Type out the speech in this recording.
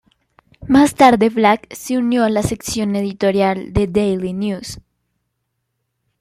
Más tarde Black se unió a la sección editorial del "Daily News".